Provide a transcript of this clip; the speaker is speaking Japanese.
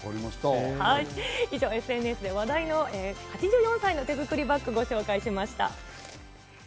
以上、ＳＮＳで話題の８４歳の手づくりバッグをご紹介しました。